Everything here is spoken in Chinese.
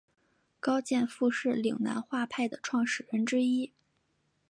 高剑父是岭南画派的创始人之一。